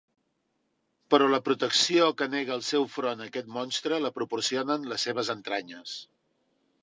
Però la protecció que nega el seu front a aquest monstre la proporcionen les seves entranyes.